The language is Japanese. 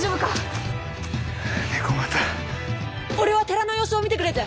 俺は寺の様子を見てくるぜ。